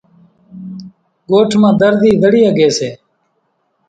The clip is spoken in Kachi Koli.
ڳوٺ مان ۮرزِي زڙِي ۿڳيَ سي۔